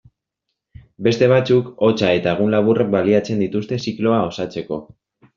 Beste batzuk, hotza eta egun laburrak baliatzen dituzte zikloa osatzeko.